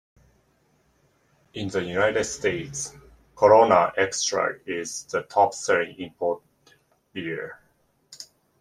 In the United States, Corona Extra is the top selling imported beer.